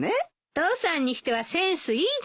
父さんにしてはセンスいいじゃない。